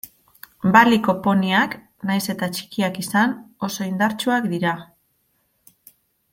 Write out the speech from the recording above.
Baliko poniak, nahiz eta txikiak izan, oso indartsuak dira.